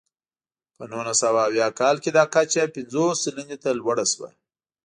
په نولس سوه اویا کال کې دا کچه پنځوس سلنې ته لوړه شوه.